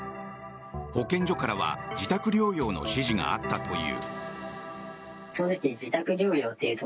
保健所からは自宅療養の指示があったという。